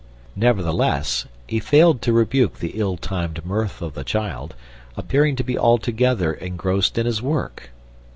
Nevertheless, he failed to rebuke the ill timed mirth of the child, appearing to be altogether engrossed in his work.